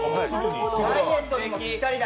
ダイエットにもぴったりだ。